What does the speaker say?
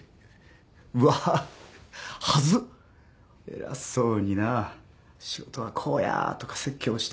偉そうにな仕事はこうやとか説教して。